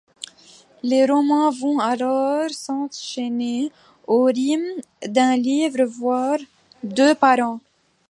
Les romans vont alors s'enchaîner au rythme d'un livre voir deux par an.